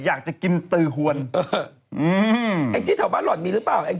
อยากจะกินตือหวืน